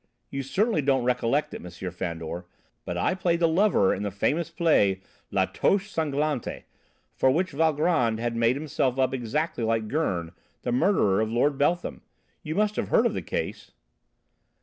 You certainly don't recollect it, M. Fandor, but I played the lover in the famous play 'La Toche Sanglante,' for which Valgrand had made himself up exactly like Gurn, the murderer of Lord Beltham. You must have heard of the case?"